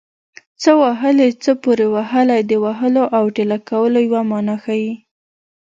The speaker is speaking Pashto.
څه وهلی څه پورې وهلی د وهلو او ټېله کولو یوه مانا ښيي